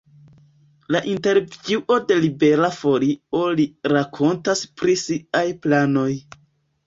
En intervjuo de Libera Folio li rakontas pri siaj planoj.